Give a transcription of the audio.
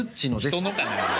人のから？